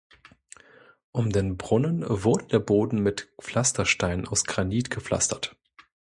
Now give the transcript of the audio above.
Um den Brunnen wurde der Boden mit Pflastersteinen aus Granit gepflastert.